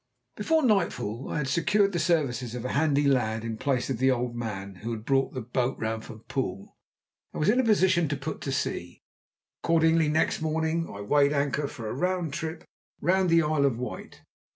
Before nightfall I had secured the services of a handy lad in place of the old man who had brought the boat round from Poole, and was in a position to put to sea. Accordingly next morning I weighed anchor for a trip round the Isle of Wight.